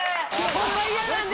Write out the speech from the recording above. ホンマ嫌なんです。